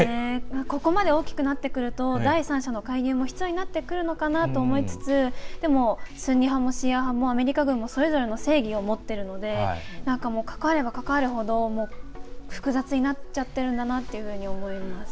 ここまで大きくなってくると第三者の介入も必要になってくるのかなと思いつつでも、スンニ派もシーア派もアメリカ軍もそれぞれの正義を持ってるので関われば関わるほど複雑になっちゃってるんだなと思います。